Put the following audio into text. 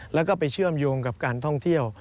แล้วก็ไปเชื่อมโยงกับการท่องเที่ยว